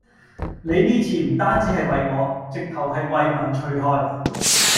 你呢次唔單止係為我，直頭係為民除害